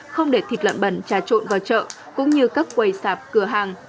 không để thịt lợn bẩn trà trộn vào chợ cũng như các quầy sạp cửa hàng